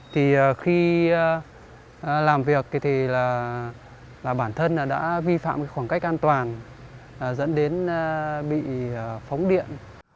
thì khi làm việc thì bản thân đã vi phạm khoảng cách an toàn dẫn đến bị phóng điện